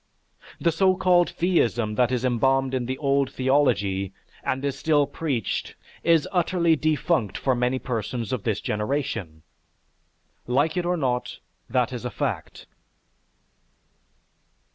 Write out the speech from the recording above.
The so called theism that is embalmed in the old theology and is still preached is utterly defunct for many persons of this generation. Like it or not, that is a fact.